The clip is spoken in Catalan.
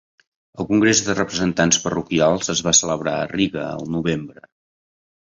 El Congrés de Representants Parroquials es va celebrar a Riga al novembre.